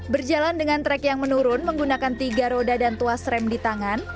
berjalan dengan trek yang menurun menggunakan tiga roda dan tuas rem di tangan